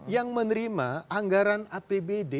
yang menerima anggaran apbd